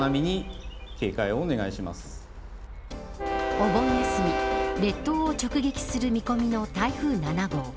お盆休み列島を直撃する見込みの台風７号。